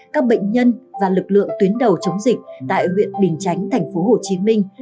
các bệnh nhân và lực lượng tuyến đầu chống dịch tại huyện bình chánh thành phố hồ chí minh